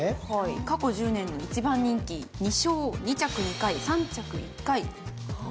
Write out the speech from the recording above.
過去１０年の１番人気２勝２着２回３着１回。